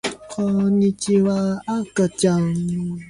こんにちは、あかちゃん